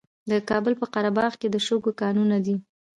د کابل په قره باغ کې د شګو کانونه دي.